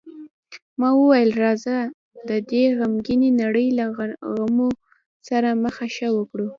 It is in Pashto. ما وویل: راځه، د دې غمګینې نړۍ له غمو سره مخه ښه وکړو.